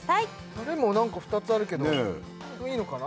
たれも何か２つあるけどいいのかな？